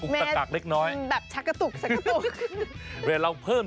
เฮ้ยเฮ้ยเฮ้ยเฮ้ยเฮ้ยเฮ้ยเฮ้ยเฮ้ยเฮ้ยเฮ้ยเฮ้ยเฮ้ยเฮ้ยเฮ้ย